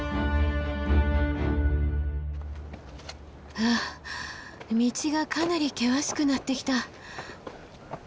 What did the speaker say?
はあ道がかなり険しくなってきた。